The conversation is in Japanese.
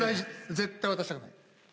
絶対渡したくない。